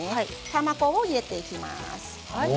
卵を入れていきます。